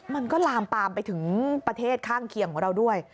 มันก็ลามปามไปถึงประเทศข้างเคียงของเราด้วย